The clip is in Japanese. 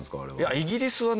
イギリスはね